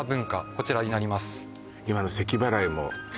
こちらになります